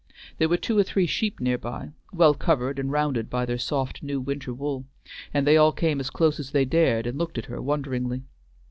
There were two or three sheep near by, well covered and rounded by their soft new winter wool, and they all came as close as they dared and looked at her wonderingly.